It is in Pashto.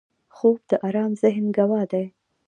خوب د آرام ذهن ګواه دی